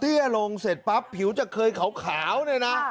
ลงเสร็จปั๊บผิวจะเคยขาวเนี่ยนะ